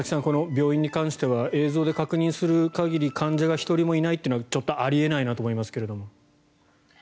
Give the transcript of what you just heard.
この病院に関しては映像で確認する限り患者が１人もいないというのはちょっとあり得ないなと思いますけれど。